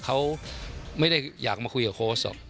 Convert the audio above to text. เขาไม่ได้อยากมาคุยกับโค้ชหรอก